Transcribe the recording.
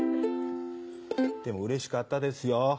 でも、うれしかったですよ。